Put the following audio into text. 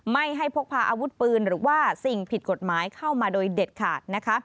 ไม่ให้พกพาอาวุธปืนหรือว่าสิ่งผิดกฎหมายเข้ามาโดยเด็ดขาดนะคะ